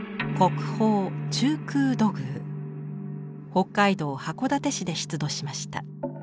北海道函館市で出土しました。